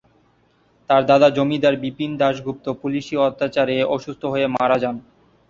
তার দাদা জমিদার বিপিন দাশগুপ্ত পুলিশি অত্যাচারে অসুস্থ হয়ে মারা যান।